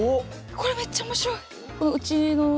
これめっちゃ面白い。